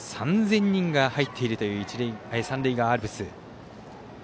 ３０００人が入っているという三塁側アルプス。